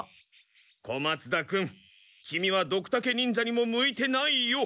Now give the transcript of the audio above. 小松田君キミはドクタケ忍者にも向いてないよ。